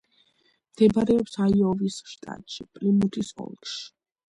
მდებარეობს აიოვის შტატში, პლიმუთის ოლქში.